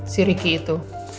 si riki itu